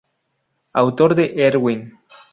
Autor de "Erwin.